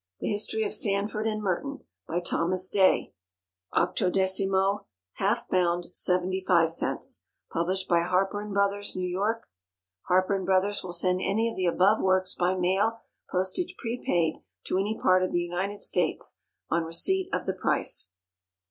The History of Sandford and Merton. By THOMAS DAY. 18mo, Half Bound, 75 cents. Published by HARPER & BROTHERS, New York. HARPER & BROTHERS will send any of the above works by mail, postage prepaid, to any part of the United States, on receipt of the price.